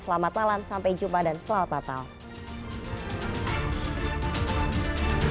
selamat malam sampai jumpa dan selamat natal